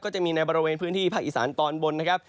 จะมีในบริเวณพื้นที่ภาคอีสานตอนบนนะครับ